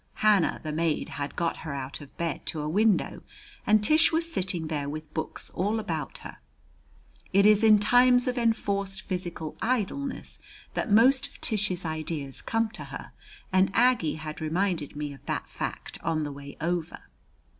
Hannah, the maid, had got her out of bed to a window, and Tish was sitting there with books all about her. It is in times of enforced physical idleness that most of Tish's ideas come to her, and Aggie had reminded me of that fact on the way over.